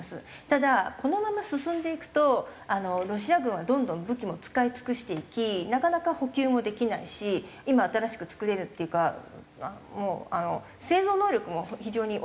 ただこのまま進んでいくとロシア軍はどんどん武器も使い尽くしていきなかなか補給もできないし今新しく作れるっていうかもうあの製造能力も非常に落ちていると思うんですよね。